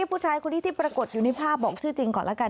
ผู้ชายคนนี้ที่ปรากฏอยู่ในภาพบอกชื่อจริงก่อนแล้วกัน